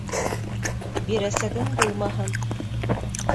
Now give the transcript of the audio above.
Бирәсәгең булмаһын.